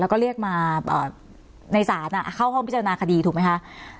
แล้วก็เรียกมาในศาลเข้าห้องพิจารณาคดีถูกไหมคะ